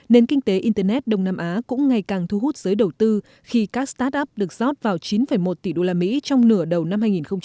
nền kinh tế internet đông nam á cũng ngày càng thu hút giới đầu tư khi các start up được rót vào chín một tỷ đô la mỹ trong nửa đầu năm hai nghìn một mươi tám